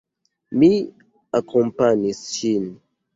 Mi akompanis ŝin.